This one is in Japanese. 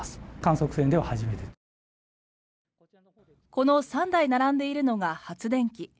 この３台並んでいるのが発電機。